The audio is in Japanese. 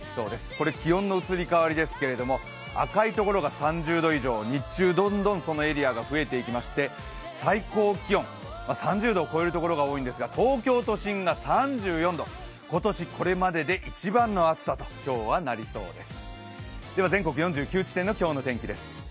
これ、気温の移り変わりですが赤いところが３０度以上日中どんどんそのエリアが増えていきまして最高気温３０度を超えるところが多いんですが東京都心が３４度、今年これまでで一番の暑さと今日はなりそうです。